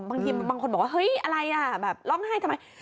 บางทีบางคนบอกว่าเฮ้ยอะไรอ่ะแบบร้องไห้ทำไม